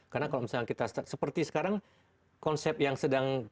karena kalau misalnya kita seperti sekarang konsep yang sedang pembangunan